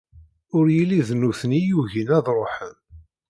Ur yelli d nutni i yugin ad ṛuḥen.